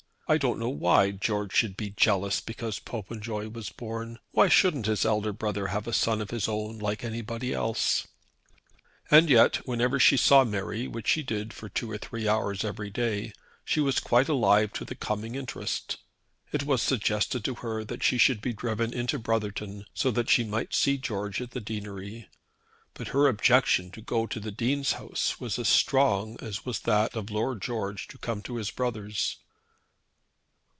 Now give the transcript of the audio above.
I don't know why George should be jealous because Popenjoy was born. Why shouldn't his elder brother have a son of his own like anybody else?" And yet whenever she saw Mary, which she did for two or three hours every day, she was quite alive to the coming interest. It was suggested to her that she should be driven into Brotherton, so that she might see George at the deanery; but her objection to go to the Dean's house was as strong as was that of Lord George to come to his brother's.